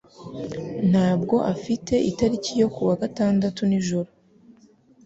ntabwo afite itariki yo kuwa gatandatu nijoro